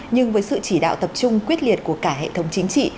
nhưng với sự chỉ đạo tập trung quyết liệt của cả hệ thống chính trị